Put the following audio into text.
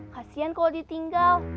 kasian kalau ditinggal